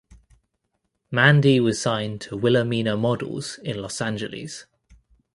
Mandi was signed to Wilhelmina Models in Los Angeles.